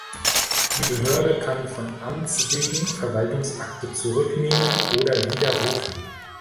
Die Behörde kann von Amts wegen Verwaltungsakte zurücknehmen oder widerrufen.